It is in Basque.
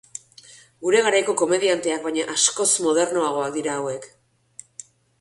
Gure garaiko komendianteak baino askoz modernoagoak dira hauek.